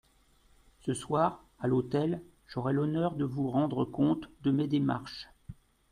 Ce soir, à l'hôtel, j'aurai l'honneur de vous rendre compte de mes démarches.